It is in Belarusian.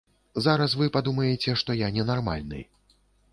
Зараз вы падумаеце, што я ненармальны.